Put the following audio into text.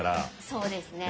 そうですね。